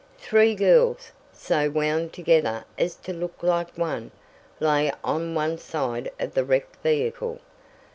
Three girls, so wound together as to look like one, lay on one side of the wrecked vehicle.